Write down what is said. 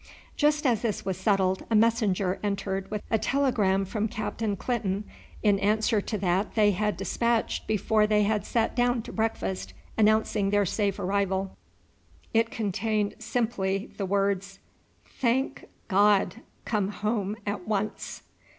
Just as this was settled a messenger entered with a telegram from Captain Clinton in answer to that they had despatched before they had sat down to breakfast announcing their safe arrival. It contained simply the words, "Thank God! Come home at once."